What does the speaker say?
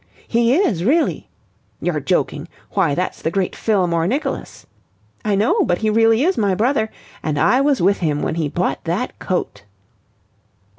'He is, really.' 'You're joking. Why, that's the great Fillmore Nicholas.' 'I know. But he really is my brother. And I was with him when he bought that coat.'"